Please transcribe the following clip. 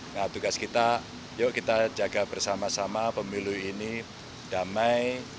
nah tugas kita yuk kita jaga bersama sama pemilu ini damai